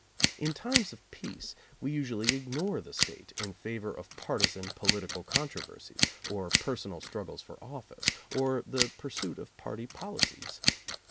In times of peace, we usually ignore the State in favor of partisan political contro versies, or personal struggles for office, or the pur [222 ] suit of party policies.